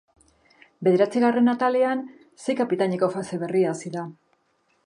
Bederatzigarren atalean, sei kapitaineko fase berria hasi da.